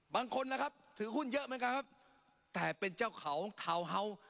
บางคนนะครับถือหุ้นเยอะเหมือนกันครับแต่เป็นเจ้าเขาทาวน์เฮาส์